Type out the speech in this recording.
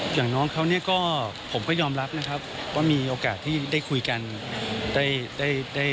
อย่างน้องเขาเนี่ยก็ผมก็ยอมรับนะครับว่ามีโอกาสที่ได้คุยกันได้